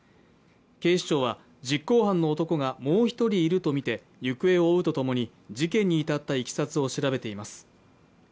警視庁は実行犯の男がもう１人いるとみて、行方を追うとともに事件に至ったいきさつを調べています。